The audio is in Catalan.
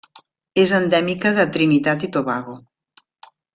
És endèmica de Trinitat i Tobago.